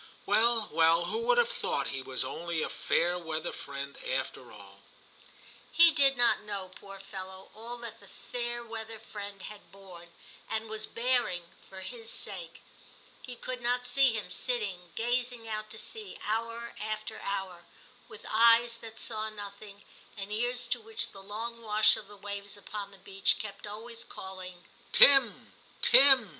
Well, well, who would have thought he was only a fair weather friend after all I ' He did not know, poor fellow, all that the * fair weather friend ' had borne, and was bear ing, for his sake ; he could not see him sitting gazing out to sea hour after hour, with eyes that saw nothing, and ears to which the long wash of the waves upon the beach kept always calling * Tim, Tim